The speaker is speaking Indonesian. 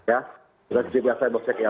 ya tugas seperti biasa di possek ya